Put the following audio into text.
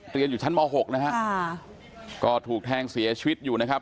เรียนอยู่ชั้นม๖นะฮะก็ถูกแทงเสียชีวิตอยู่นะครับ